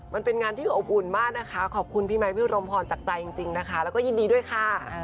มันเป็นงานที่อบอุ่นมากนะคะขอบคุณพี่ไมค์พี่รมพรจากใจจริงนะคะแล้วก็ยินดีด้วยค่ะ